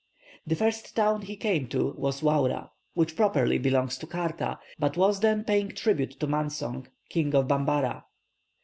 The first town he came to was Wawra, which properly belongs to Kaarta, but was then paying tribute to Mansong, King of Bambara.